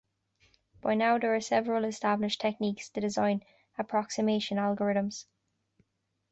By now there are several established techniques to design approximation algorithms.